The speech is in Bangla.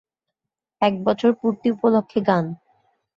এক বছর পূর্তি উপলক্ষ্যে গান।